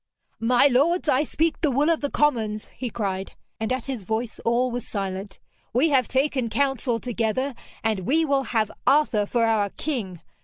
'My lords, I speak the will of the commons,' he cried, and at his voice all were silent. 'We have taken counsel together, and we will have Arthur for our King.